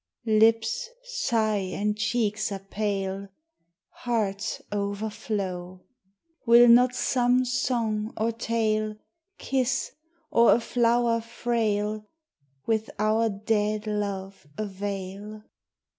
Lips sigh and cheeks are pale, Hearts overflow: Will not some song or tale, Kiss, or a flower frail, With our dead love avail?